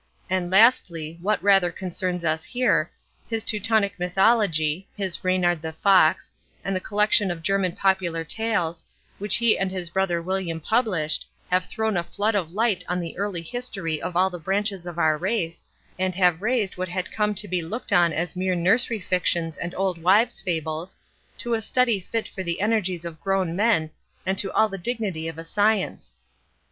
And lastly, what rather concerns us here, his Teutonic Mythology, his Reynard the Fox, and the collection of German Popular Tales, which he and his brother William published, have thrown a flood of light on the early history of all the branches of our race, and have raised what had come to be looked on as mere nursery fictions and old wives' fables—to a study fit for the energies of grown men, and to all the dignity of a science.